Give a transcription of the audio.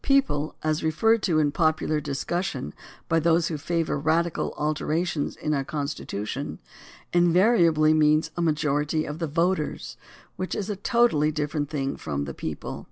"People" as referred to in popular discussion by those who favor radical alterations in our Constitution invariably means a majority of the voters, which is a totally different thing from the people.